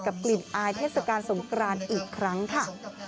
กลิ่นอายเทศกาลสงกรานอีกครั้งค่ะ